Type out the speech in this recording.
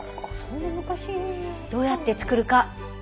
どうやって作るか？